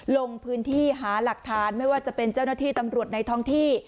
ลงพื้นที่หาหลักฐานไม่ว่าจะเป็นเจ้าหน้าที่ตำรวจในท้องที่